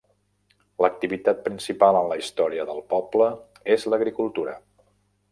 L'activitat principal en la història del poble és l'agricultura.